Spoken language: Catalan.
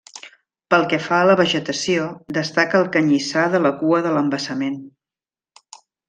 Pel que fa a la vegetació, destaca el canyissar de la cua de l'embassament.